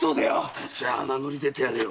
〔じゃあ名乗り出てやれよ。